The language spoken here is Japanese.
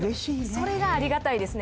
それがありがたいですね。